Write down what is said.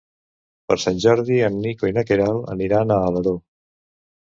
Per Sant Jordi en Nico i na Queralt aniran a Alaró.